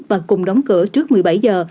và cùng đóng cửa trước một mươi bảy h